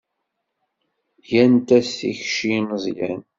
Gant-as tikci i Meẓyan.